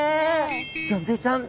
ギョンズイちゃん